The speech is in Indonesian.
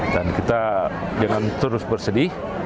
dan kita jangan terus bersedih